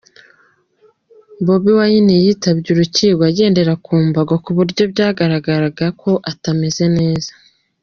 Bobi Wine yitabye urukiko agendera ku mbago ku buryo byagararaga ko atameze neza.